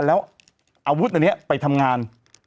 แล้วดนี้ไปทำงาน